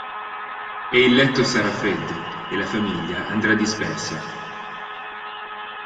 E il letto sarà freddo, e la famiglia andrà dispersa.